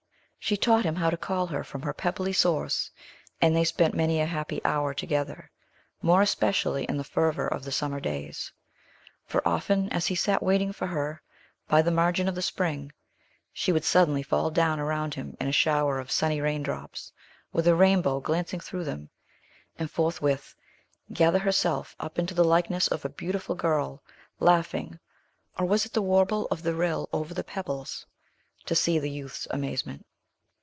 She taught him how to call her from her pebbly source, and they spent many a happy hour together, more especially in the fervor of the summer days. For often as he sat waiting for her by the margin of the spring, she would suddenly fall down around him in a shower of sunny raindrops, with a rainbow glancing through them, and forthwith gather herself up into the likeness of a beautiful girl, laughing or was it the warble of the rill over the pebbles? to see the youth's amazement.